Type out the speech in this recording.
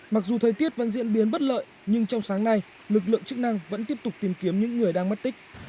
mặc dù thời tiết vẫn diễn biến bất lợi nhưng trong sáng nay lực lượng chức năng vẫn tiếp tục tìm kiếm những người đang mất tích